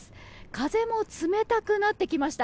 風も冷たくなってきました。